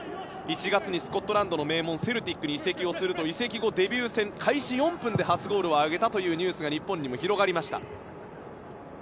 １月にスコットランドの名門セルティックに移籍をすると移籍後、デビュー戦開始４分で初ゴールを挙げたというニュースが日本にも広がりました。